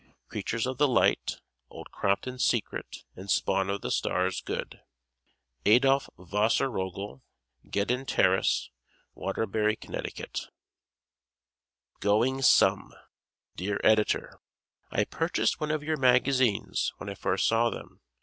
"Creatures of the Light," "Old Crompton's Secret" and "Spawn of the Stars," good. Adolph Wasserrogel, Gedden Terrace, Waterbury, Conn. "Going Some!" Dear Editor: I purchased one of your magazines when I first saw them.